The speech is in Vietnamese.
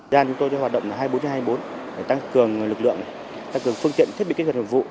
giàn chúng tôi sẽ hoạt động hai mươi bốn hai mươi bốn để tăng cường lực lượng tăng cường phương tiện thiết bị kết hợp hợp vụ